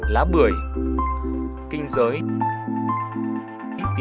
lá bưởi kinh giới ít tía tô chảm gió